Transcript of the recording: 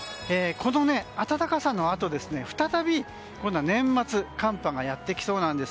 この暖かさのあと再び年末、寒波がやってきそうです。